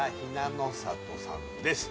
鄙の里さんです